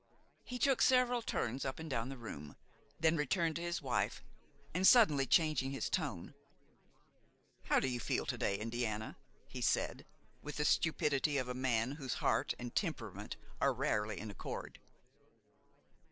He took several turns up and down the room, then returned to his wife and, suddenly changing his tone: "How do you feel to day, Indiana?" he said, with the stupidity of a man whose heart and temperament are rarely in accord.